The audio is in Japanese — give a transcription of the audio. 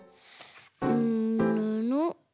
うんぬの。